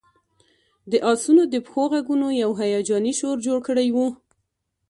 د آسونو د پښو غږونو یو هیجاني شور جوړ کړی و